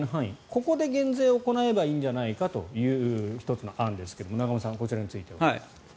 ここで減税を行えばいいんじゃないかという１つの案ですが永濱さん、こちらについては。